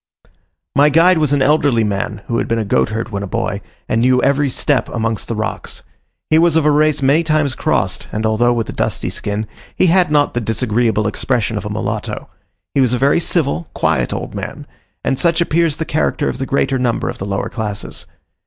My guide was an elderly man, who had been a goatherd when a boy, and knew every step amongst the rocks. He was of a race many times crossed, and although with a dusky skin, he had not the disagreeable expression of a mulatto. He was a very civil, quiet old man, and such appears the character of the greater number of the lower classes.